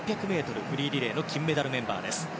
フリーリレーの金メダルメンバーです。